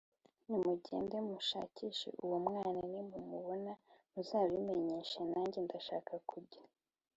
nimugende mushakishe uwo mwana Nimumubona muzabimenyeshe Nanjye ndashaka kujya